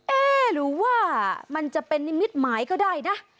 เอ๊ะหรือว่ามันจะเป็นนิมิตหมายก็ได้นะ